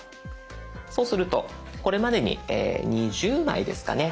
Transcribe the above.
そうするとこれまでに２０枚ですかね